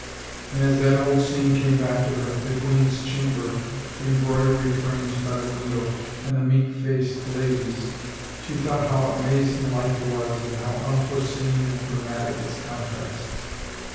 And as that old scene came back to her, the queen's chamber, the embroidery frames by the window, and the meek faced ladies, she thought how amazing life was, and how unforeseen and dramatic its contrasts.